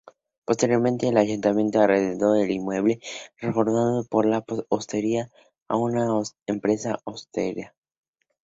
Posteriormente el Ayuntamiento arrendó el inmueble, reformado como hospedería, a una empresa hostelera.